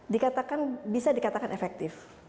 dikatakan bisa dikatakan efektif